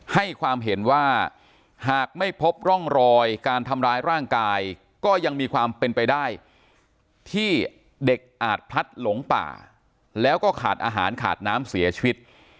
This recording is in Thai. ให้ความเห็นว่าหากไม่พบร่องรอยการทำร้ายร่างกายก็ยังมีความเป็นไปได้ที่เด็กอาจพลัดหลงป่าแล้วก็ขาดอาหารขาดน้ำเสียชีวิต